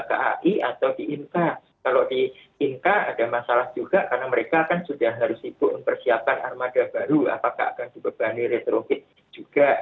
kai atau di inka kalau di inka ada masalah juga karena mereka kan sudah harus sibuk mempersiapkan armada baru apakah akan dibebani retrokit juga